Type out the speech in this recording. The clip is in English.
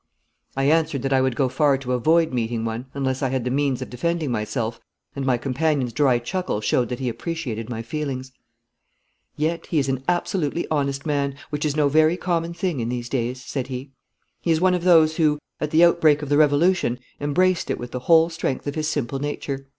I answered that I would go far to avoid meeting one, unless I had the means of defending myself, and my companion's dry chuckle showed that he appreciated my feelings. 'Yet he is an absolutely honest man, which is no very common thing in these days,' said he. 'He is one of those who, at the outbreak of the Revolution, embraced it with the whole strength of his simple nature.